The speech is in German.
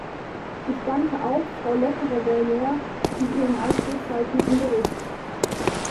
Ich danke auch Frau Leperre-Verrier für ihren ausgezeichneten Bericht.